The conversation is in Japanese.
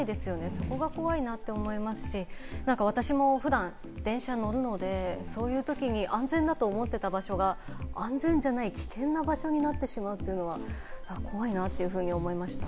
それが怖いなと思いますし、私も普段、電車に乗るので、そういうときに安全だと思ってた場所が安全じゃない危険な場所になってしまうというのは怖いなというふうに思いました。